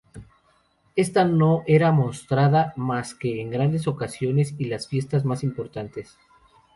Ésta no era mostrada más que en grandes ocasiones y las fiestas más importantes.